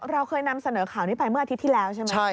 เราเคยนำเสนอข่าวนี้ไปเมื่ออาทิตย์ที่แล้วใช่ไหม